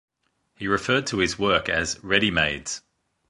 He referred to his work as "Readymades".